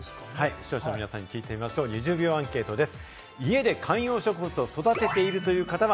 視聴者の皆さんに聞いてみましょう、２０秒アンケートです。